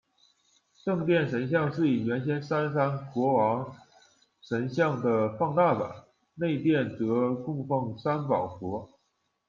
正殿神像是以原先三山国王神像的放大版，内殿则供奉三宝佛。